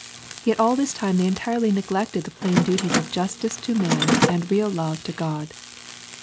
Yet all this time they entirely neglected the plain duties of justice to man, and real love to God.